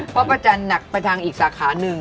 เพราะประจันทร์หนักไปทางอีกสาขาหนึ่ง